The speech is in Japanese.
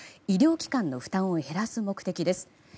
医療機関の負担を減らす目的です。